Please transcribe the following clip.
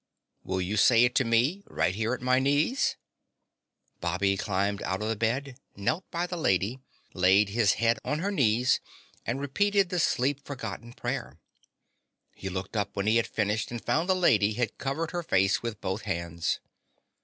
"Will you say it to me, right here at my knees?" Bobby climbed out of the bed, knelt by the lady, laid his head on her knees and repeated the sleep forgotten prayer. He looked up when he had finished and found the lady had covered her face with both hands.